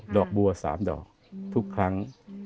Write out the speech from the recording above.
อกบัว๓ดอกทุกครั้ง